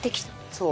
そう。